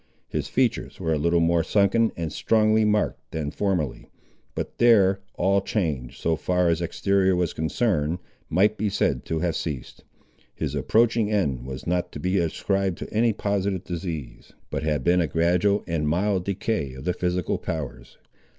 His features were a little more sunken and strongly marked than formerly; but there, all change, so far as exterior was concerned, might be said to have ceased. His approaching end was not to be ascribed to any positive disease, but had been a gradual and mild decay of the physical powers.